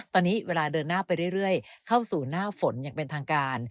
ตอนนี้เวลาเดินหน้าไปเรื่อยเข้าสู่หน้าฝนอย่างเป็นทางการ